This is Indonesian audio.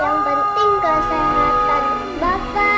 yang penting gak ada masalah